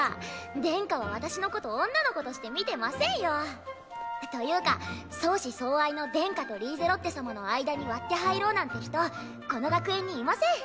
殿下は私のこと女の子として見てませんよ。というか相思相愛の殿下とリーゼロッテ様の間に割って入ろうなんて人この学園にいません。